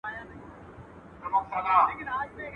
o خوريى د ماما د مېني لېوه دئ.